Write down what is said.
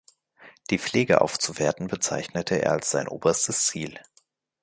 Die Pflege aufzuwerten bezeichnete er als sein oberstes Ziel.